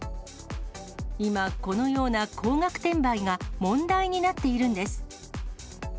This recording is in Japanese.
今、このような高額転売が、問題になっているんです。